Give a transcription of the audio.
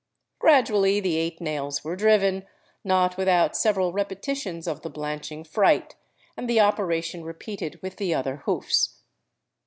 Gradually the eight nails were driven, not without several repetitions of the blanching fright, and the operation repeated with the other hoofs.